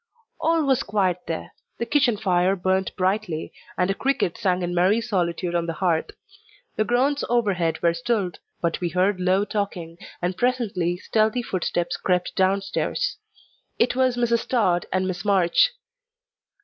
All was quiet there. The kitchen fire burnt brightly, and a cricket sang in merry solitude on the hearth; the groans overhead were stilled, but we heard low talking, and presently stealthy footsteps crept down stairs. It was Mrs. Tod and Miss March.